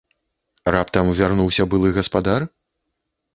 Раптам вярнуўся былы гаспадар?